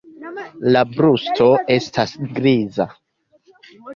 La brusto estas griza.